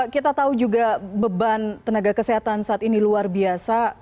kita tahu juga beban tenaga kesehatan saat ini luar biasa